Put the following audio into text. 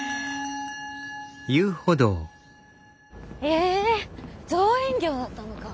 え造園業だったのか。